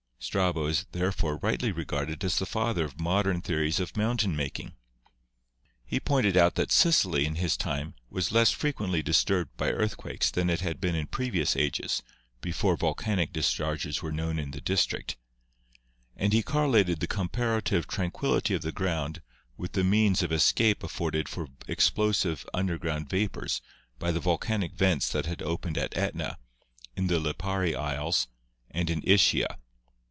Strabo is therefore rightly regarded as the father of modern the ories of mountain making. He pointed out that Sicily in his time was less frequently disturbed by earthquakes than it had been in previous ages before volcanic discharges were known in the district, and he correlated the compara tive tranquillity of the ground with the means of escape afforded for explosive underground vapors by the volcanic vents that had opened at Etna, in the Lipari Isles, and in Ischia.